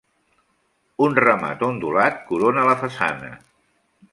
Un remat ondulat corona la façana.